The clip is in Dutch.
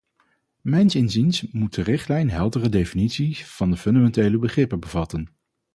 Mijns inziens moet de richtlijn heldere definities van de fundamentele begrippen bevatten.